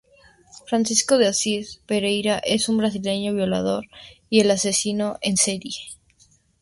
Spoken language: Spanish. Francisco de Assis Pereira es un brasileño violador y el asesino en serie.